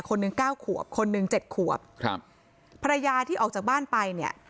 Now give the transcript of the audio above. คนหนึ่งเก้าขวบคนหนึ่งเจ็ดขวบครับภรรยาที่ออกจากบ้านไปเนี่ย